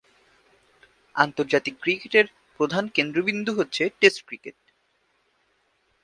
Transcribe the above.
আন্তর্জাতিক ক্রিকেটের প্রধান কেন্দ্রবিন্দু হচ্ছে টেস্ট ক্রিকেট।